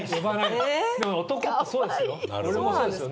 男ってそうですよ。